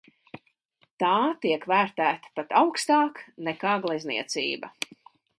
Tā tiek vērtēta pat augstāk nekā glezniecība.